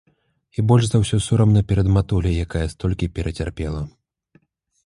І больш за ўсё сорамна перад матуляй, якая столькі перацярпела.